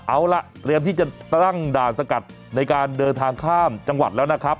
เอาล่ะเตรียมที่จะตั้งด่านสกัดในการเดินทางข้ามจังหวัดแล้วนะครับ